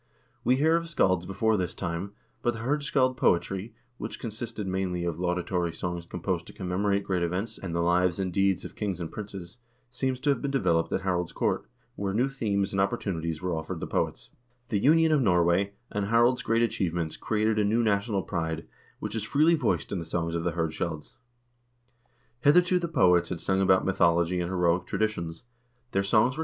We hear of scalds before this time, but the hirdscald poetry, which consisted mainly of laudatory songs composed to commemorate great events and the lives and deeds of kings and princes, seems to have been developed at Harald's court, where new themes and opportunities were offered the poets. The union of Norway, and Harald's great achievements created a new national pride, which is freely voiced in the songs of the hirdscalds. Hitherto the poets had sung about mythology and heroic traditions; their songs were composed in 1 N ornage8tssaga, ch. 9. Alexander Bugge, Vikingerne, II., 208 ff.